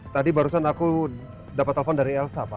tadi barusan aku dapat telepon dari elsa pak